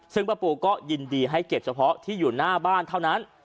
ซึ่งป้าปูก็ยินดีให้เก็บเฉพาะที่อยู่หน้าบ้านเท่านั้น